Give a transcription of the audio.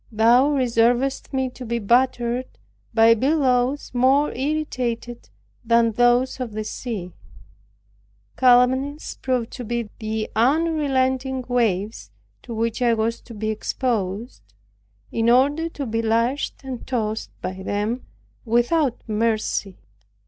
Thou reservest me to be battered by billows, more irritated than those of the sea. Calumnies proved to be the unrelenting waves, to which I was to be exposed, in order to be lashed and tossed by them without mercy.